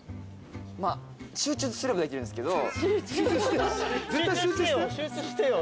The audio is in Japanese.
集中すればできるんですけど。